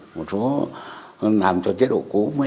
một số làm cho chế độ cũ